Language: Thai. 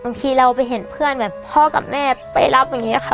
บางทีเราไปเห็นเพื่อนแบบพ่อกับแม่ไปรับอย่างนี้ค่ะ